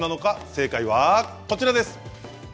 正解はこちらです。